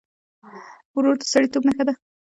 ورور د سړيتوب نښه ده.